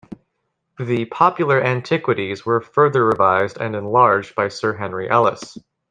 The "Popular Antiquities" were further revised and enlarged by Sir Henry Ellis.